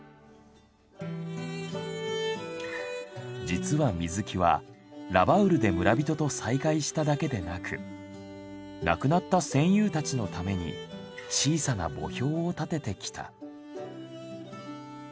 実は水木はラバウルで村人と再会しただけでなく亡くなった戦友たちのために小さな墓標を立ててきた。